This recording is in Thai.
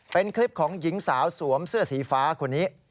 เป็นคลิปของหญิงสาวสวมเสื้อสีฟ้าคนนี้